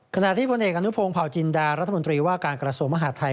ขณะที่พนอนุโภงพาวจินดารัฐมนตรีว่าการกรสมมหาดไทย